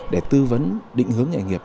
để tư vấn định hướng nhà nghiệp